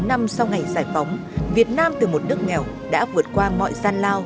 bảy mươi năm năm sau ngày giải phóng việt nam từ một nước nghèo đã vượt qua mọi gian lao